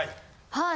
はい。